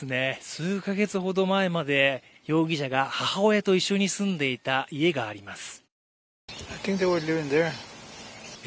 数ヶ月ほど前まで容疑者が母親と一緒に住んでいた家があります